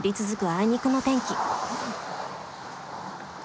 あいにくの天気。